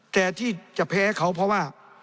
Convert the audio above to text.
แต่ที่จะแพ้เขาเพราะว่า